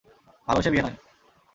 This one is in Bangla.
ভালোবেসে বিয়ে নয়।